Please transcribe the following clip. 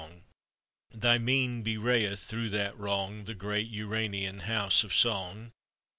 Thy mien bewrayeth through that wrong The great Uranian House of Song!